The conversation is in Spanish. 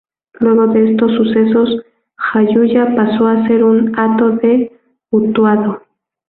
Luego de estos sucesos Jayuya pasó a ser un hato de Utuado.